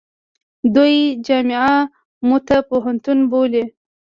دوی جامعه موته پوهنتون بولي.